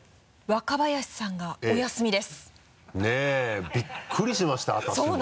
若林さんがお休みです。ねぇびっくりしました私も。